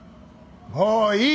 もういい！